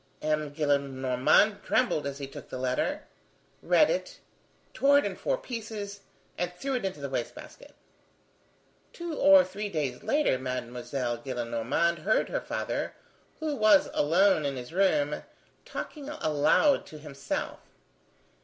M. Gillenormand trembled as he took the letter, read it, tore it in four pieces, and threw it into the waste basket. Two or three days later, Mademoiselle Gillenormand heard her father, who was alone in his room, talking aloud to himself.